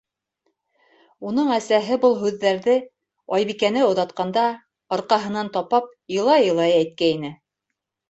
Уның әсәһе был һүҙҙәрҙе, Айбикәне оҙатҡанда, арҡаһынан тапап, илай-илай әйткәйне.